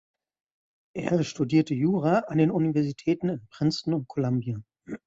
Er studierte Jura an den Universitäten in Princeton und Columbia.